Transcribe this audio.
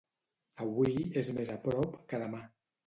Avui és més a prop que demà.